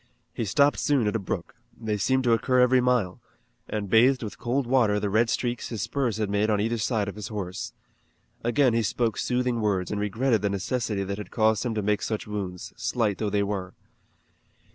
He stopped soon at a brook they seemed to occur every mile and bathed with cold water the red streaks his spurs had made on either side of his horse. Again he spoke soothing words and regretted the necessity that had caused him to make such wounds, slight though they were.